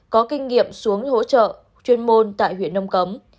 có kinh nghiệm xuống hỗ trợ chuyên môn tại huyện nông cống